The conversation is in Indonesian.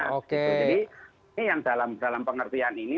jadi ini yang dalam pengertian ini